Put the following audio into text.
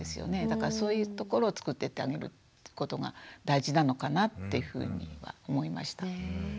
だからそういうところをつくっていってあげるってことが大事なのかなっていうふうには思いました。